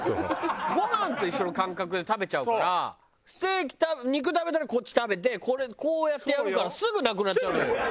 ご飯と一緒の感覚で食べちゃうからステーキ肉食べたらこっち食べてこれこうやってやるからすぐなくなっちゃうのよ。